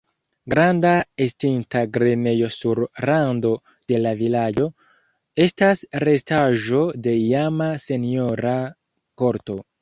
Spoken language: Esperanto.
Granda estinta grenejo sur rando de la vilaĝo estas restaĵo de iama senjora korto.